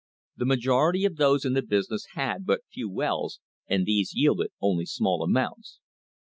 The majority of those in the business had but few wells, and these yielded only small amounts.